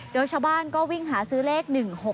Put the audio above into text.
โดยชาวบ้านก็วิ่งหาซื้อเลข๑๖๖